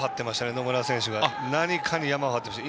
野村選手が何かにヤマを張ってました。